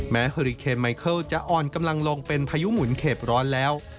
เฮอริเคนไมเคิลจะอ่อนกำลังลงเป็นพายุหมุนเข็บร้อนแล้ว